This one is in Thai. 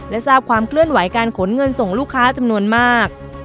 และทราบความเคลื่อนไหวการขนเงินส่งลูกค้าจำนวนมาก